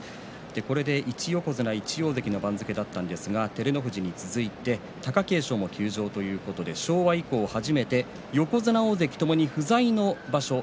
これで１横綱１大関の番付だったんですが照ノ富士に続いて貴景勝も休場ということで昭和以降初めて横綱大関ともに不在の場所。